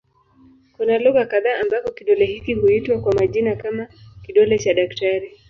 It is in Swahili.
Kuna lugha kadha ambako kidole hiki huitwa kwa majina kama "kidole cha daktari".